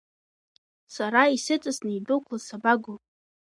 Сара исыҵасны идәықәлаз сабаго?